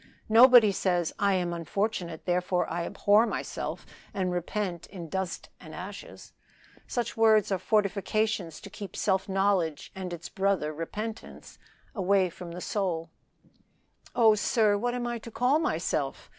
Nobody says, 'I am unfortunate, therefore I abhor myself and repent in dust and ashes.' Such words are fortifications to keep self knowledge and its brother repentance from the soul." "Oh, sir! what am I to call myself?"